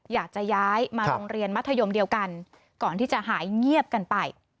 อยากจะย้ายมาโรงเรียนมัธยมเดียวกันก่อนที่จะหายเงียบกันไป